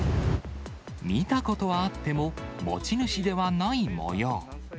見たことはあっても、持ち主ではないもよう。